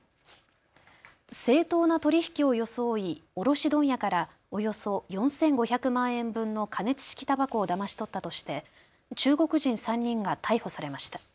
正当な取り引きを装い卸問屋からおよそ４５００万円分の加熱式たばこをだまし取ったとして中国人３人が逮捕されました。